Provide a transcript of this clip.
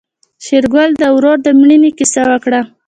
شېرګل د ورور د مړينې کيسه وکړه.